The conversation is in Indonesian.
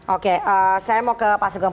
oke saya mau ke pak sugeng